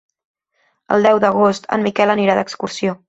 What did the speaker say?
El deu d'agost en Miquel anirà d'excursió.